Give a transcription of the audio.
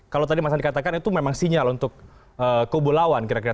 kalau tadi mas andi katakan itu memang sinyal untuk kubu lawan kira kira